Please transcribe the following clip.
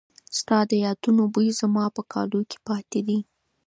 ستا د یادونو بوی زما په کالو کې پاتې دی.